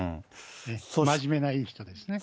真面目ないい人ですね。